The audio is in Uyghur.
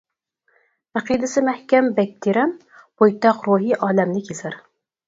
ئەقىدىسى مەھكەم بەك تېرەن، بويتاق روھى ئالەمنى كېزەر.